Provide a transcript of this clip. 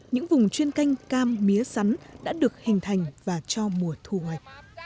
những vùng chuyên canh cam mía sắn đã được hình thành và cho mùa thu hoạch